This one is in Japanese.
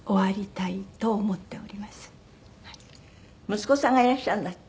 息子さんがいらっしゃるんだっけ？